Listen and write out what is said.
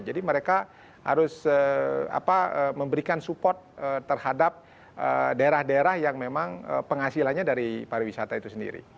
jadi mereka harus memberikan support terhadap daerah daerah yang memang penghasilannya dari pariwisata itu sendiri